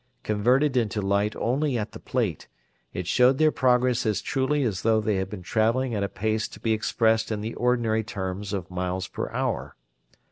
Converted into light only at the plate, it showed their progress as truly as though they had been traveling at a pace to be expressed in the ordinary terms of miles per hour.